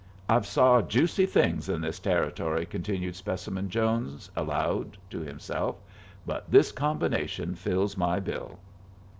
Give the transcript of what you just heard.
"I've saw juicy things in this Territory," continued Specimen Jones, aloud, to himself, "but this combination fills my bill."